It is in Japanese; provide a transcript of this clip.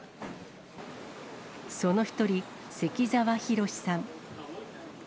その一人、関澤浩さん。